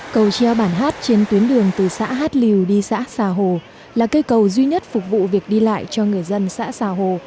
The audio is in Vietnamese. cầu treo bản hát trên tuyến đường từ xã hát liều đi xã xà hồ là cây cầu duy nhất phục vụ việc đi lại cho người dân xã xà hồ